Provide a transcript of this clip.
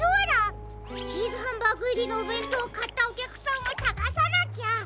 チーズハンバーグいりのおべんとうをかったおきゃくさんをさがさなきゃ！